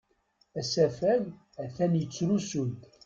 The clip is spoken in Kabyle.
Asafag atan yettrusu-d.